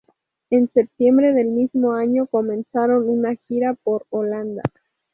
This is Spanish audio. En septiembre del mismo año comenzaron una gira por Holanda.